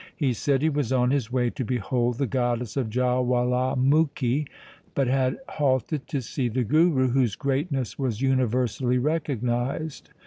He said he was on his way to behold the goddess of Jawalamukhi, but had halted to see the Guru whose greatness was universally recog nized.